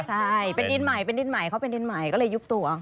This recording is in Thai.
ใช่เป็นดินใหม่เป็นดินใหม่เขาเป็นดินใหม่ก็เลยยุบตัว